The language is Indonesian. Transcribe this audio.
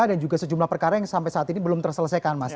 dan juga sejumlah perkara yang sampai saat ini belum terselesaikan